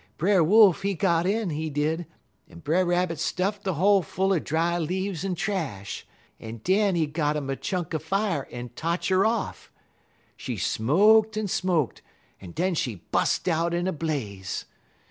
"Brer Wolf, he got in, he did, en Brer Rabbit stuff de hole full er dry leaves en trash, en den he got 'im a chunk er fier en totch 'er off. She smoked en smoked, en den she bust out in a blaze.